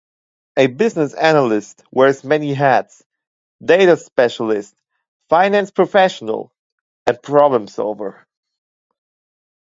A business analyst wears many hats: data specialist, finance professional and problem solver.